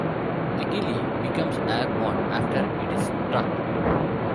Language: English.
The "gilli" becomes airborne after it is struck.